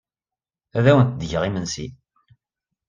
Ad awent-d-geɣ imensi.